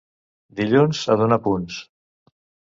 Dilluns, a donar punts.